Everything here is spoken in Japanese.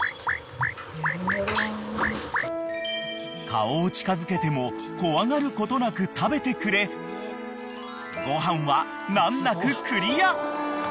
［顔を近づけても怖がることなく食べてくれごはんは難なくクリア］